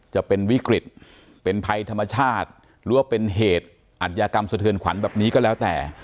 จะเป็นวิกฤตเป็นภัยธรรมชาติหรือว่าเป็นเหตุอัธยากรรมสะเทือนขวัญแบบนี้ก็แล้วแต่